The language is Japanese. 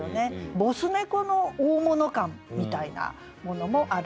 ボス猫の大物感みたいなものもあるし。